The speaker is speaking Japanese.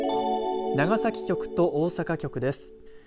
長崎局と大阪局です。